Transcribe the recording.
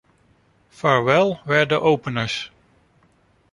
Farewell were the openers.